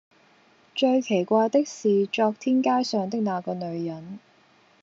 最奇怪的是昨天街上的那個女人，